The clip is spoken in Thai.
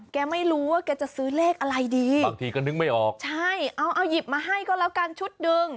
แกไม่รู้ว่าแกจะซื้อเลขอะไรดีบางทีก็นึกไม่ออกใช่เอาเอาหยิบมาให้ก็แล้วกันชุดหนึ่ง